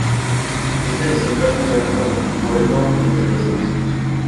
Esta decisión trajo un gran revuelo entre los obispos.